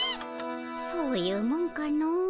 そういうもんかのう。